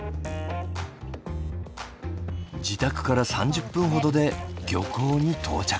自宅から３０分ほどで漁港に到着。